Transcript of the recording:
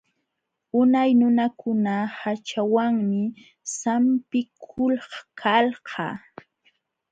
Unay nunakuna haćhawanmi sampikulkalqa.